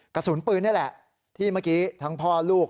กระสุนปืนนี่แหละที่เมื่อกี้ทั้งพ่อลูก